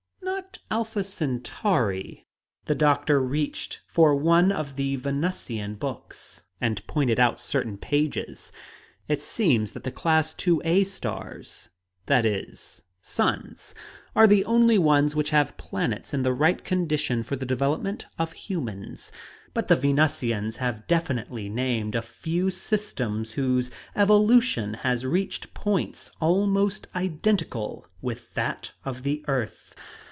"Not Alpha Centauri." The doctor reached for one of the Venusian books, and pointed out certain pages. "It seems that the Class IIa stars that is, suns are the only ones which have planets in the right condition for the development of humans. The astronomers already suspected as much, by the way. But the Venusians have definitely named a few systems whose evolution has reached points almost identical with that of the earth.